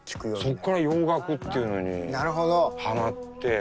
そこから洋楽っていうのにはまって。